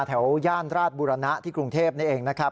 ย่านราชบุรณะที่กรุงเทพนี่เองนะครับ